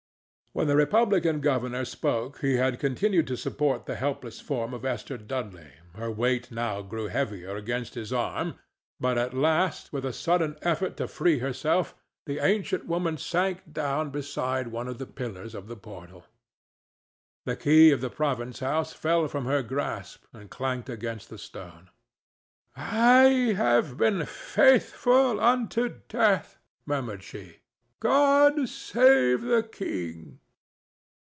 While the republican governor spoke he had continued to support the helpless form of Esther Dudley; her weight grew heavier against his arm, but at last, with a sudden effort to free herself, the ancient woman sank down beside one of the pillars of the portal. The key of the province house fell from her grasp and clanked against the stone. "I have been faithful unto death," murmured she. "God save the king!"